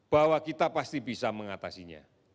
bahwa kita pasti bisa mengatasinya